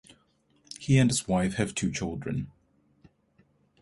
He and his wife have two children.